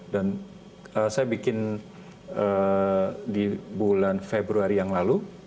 dan saya bikin di bulan februari yang lalu